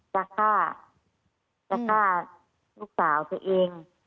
จะฆ่าลูกสาวตัวเอง